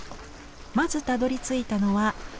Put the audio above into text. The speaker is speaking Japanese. まずたどりついたのは大宮。